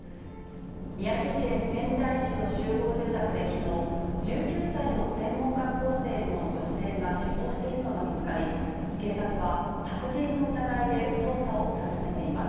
宮城県仙台市の集合住宅できのう、１９歳の専門学校生の女性が死亡しているのが見つかり、警察は殺人の疑いで捜査を進めています。